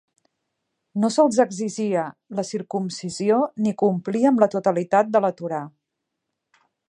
No se'ls exigia la circumcisió ni complir amb la totalitat de la Torà.